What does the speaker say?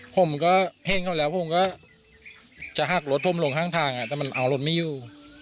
ผมก็เห็นเขาแล้วผมก็จะหักรถผมลงข้างทางแต่มันเอารถไม่อยู่